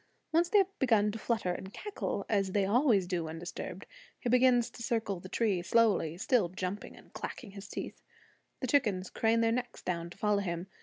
Once they have begun to flutter and cackle, as they always do when disturbed, he begins to circle the tree slowly, still jumping and clacking his teeth. The chickens crane their necks down to follow him.